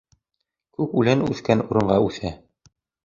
Күк үлән үҫкән урынға үҫә.